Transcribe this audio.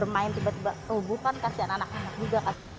namanya tiba tiba oh bukan kasihan anak anak juga kan